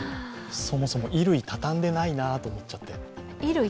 そもそも衣類を畳んでないなと思っちゃって。